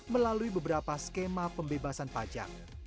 melalui beberapa skema pembebasan pajak